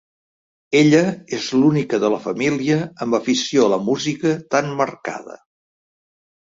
Ella és l'única de la família amb afició a la música tan marcada.